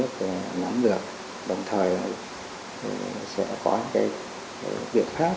sẽ có những biện pháp